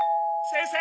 先生！